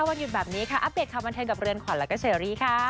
วันหยุดแบบนี้ค่ะอัปเดตข่าวบันเทิงกับเรือนขวัญแล้วก็เชอรี่ค่ะ